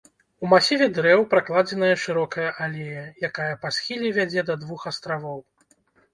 У масіве дрэў пракладзеная шырокая алея, якая па схіле вядзе да двух астравоў.